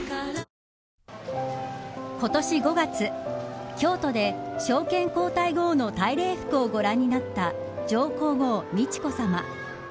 今年５月京都で、昭憲皇太后の大礼服をご覧になった上皇后美智子さま。